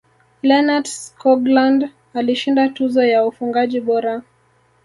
lennart skoglund alishinda tuzo ya ufungaji bora